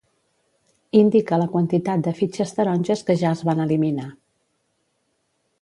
Indica la quantitat de fitxes taronges que ja es van eliminar.